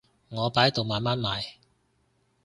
我擺喺度慢慢賣